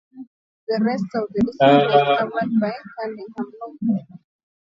The rest of the district was covered by Cunninghame North.